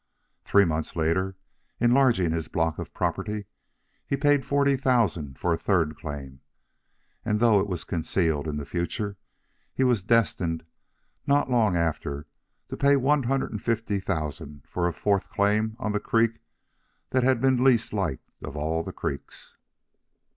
Three months later, enlarging this block of property, he paid forty thousand for a third claim; and, though it was concealed in the future, he was destined, not long after, to pay one hundred and fifty thousand for a fourth claim on the creek that had been the least liked of all the creeks.